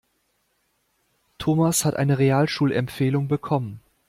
Thomas hat eine Realschulempfehlung bekommen.